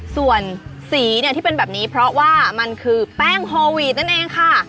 ส่วนสีเนี่ยที่เป็นแบบนี้เพราะว่ามันคือแป้งโฮวีดนั่นเองค่ะ